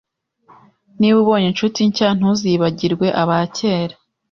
Niba ubonye inshuti nshya, ntuzibagirwe abakera.